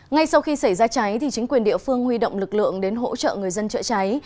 ngay sau khi xảy ra cháy chính quyền địa phương huy động lực lượng đến hỗ trợ người dân chữa cháy